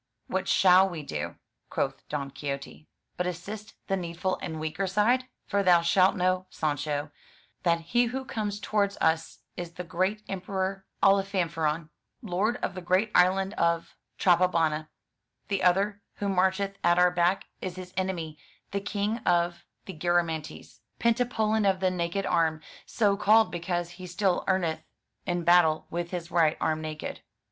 '* "What shall we do," quoth Don Quixote, "but assist the needful and weaker side? For thou shalt know, Sancho, that he who comes towards us is the great Emperor Alifamfaron, lord of the great island of Trapobana; the other, who marcheth at our back, is his enemy, the King of the Garamantes, Penta polin of the naked arm, so called because he still entereth in battle with his right arm naked."